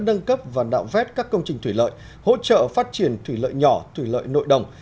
nâng cấp và nạo vét các công trình thủy lợi hỗ trợ phát triển thủy lợi nhỏ thủy lợi nội đồng